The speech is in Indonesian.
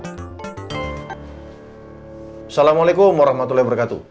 assalamualaikum warahmatullahi wabarakatuh